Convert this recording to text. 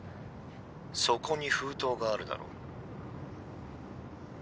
そこに封筒があるだろ？